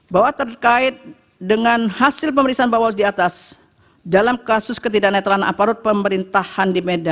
bahwa terkait dengan hasil pemeriksaan bawas di atas dalam kasus ketidak netralan aparat pemerintahan di medan